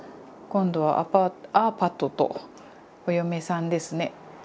今度はアパートアーパトとお嫁さんですね。